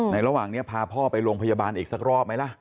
ระหว่างนี้พาพ่อไปโรงพยาบาลอีกสักรอบไหมล่ะ